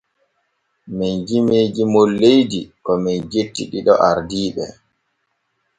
Men jimii jimol leydi ko men jetti ɗiɗo ardiiɓe.